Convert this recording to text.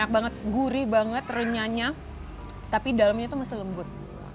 enak banget gurih banget renyahnya tapi dalamnya itu masih lembut